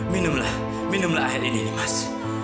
minumlah minumlah air ini nimas